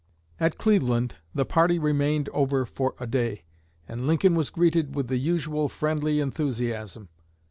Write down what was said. At Cleveland the party remained over for a day, and Lincoln was greeted with the usual friendly enthusiasm.